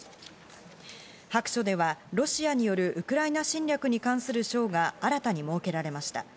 白書ではロシアによるウクライナ侵略に関する章が新たに設けられました。